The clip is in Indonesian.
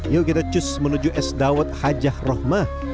yuk kita cus menuju es dawet hajah rohmah